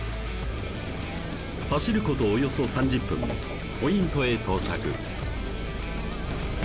走ることおよそ３０分ポイントへ到着